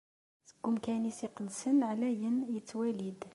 Seg umkan-is iqedsen, ɛlayen, ittwali-d.